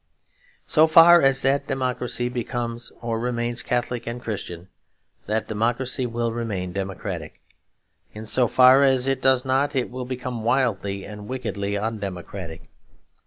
So far as that democracy becomes or remains Catholic and Christian, that democracy will remain democratic. In so far as it does not, it will become wildly and wickedly undemocratic.